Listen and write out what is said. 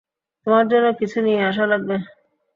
তোমার জন্য কিছু নিয়ে আসা লাগবে।